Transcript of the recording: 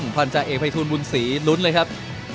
พันธาเอกภัยทูลบุญศรีลุ้นเลยครับ